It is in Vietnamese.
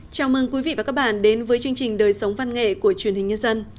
chào mừng quý vị và các bạn đến với chương trình đời sống văn nghệ của truyền hình nhân dân